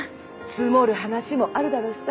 積もる話もあるだろうしさ。